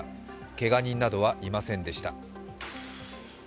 けが人などはいませんでした。